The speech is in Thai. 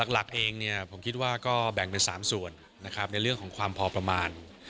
หลักเองผมคิดว่าก็แบ่งเป็น๓ส่วนนะครับในเรื่องของความพอประมาณ